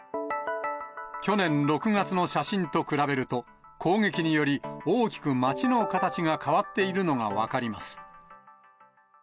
去年６月の写真と比べると、攻撃により、大きく町の形が変わっているのが分かります。